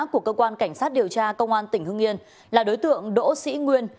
của cơ quan cảnh sát điều tra công an tỉnh hưng yên là đối tượng đỗ sĩ nguyên